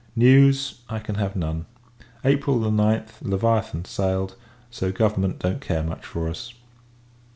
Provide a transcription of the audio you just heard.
News, I can have none. April 9th, Leviathan sailed; so government don't care much for us.